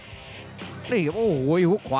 เสริมหักทิ้งลงไปครับรอบเย็นมากครับ